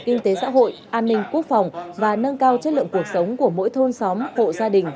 kinh tế xã hội an ninh quốc phòng và nâng cao chất lượng cuộc sống của mỗi thôn xóm hộ gia đình